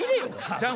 ちゃうん。